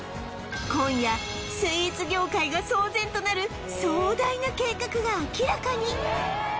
今夜スイーツ業界が騒然となる壮大な計画が明らかに！